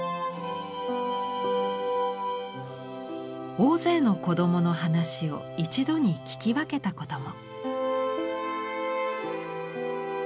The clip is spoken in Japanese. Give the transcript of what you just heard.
大勢の子供の話を一度に聞き分けたことも。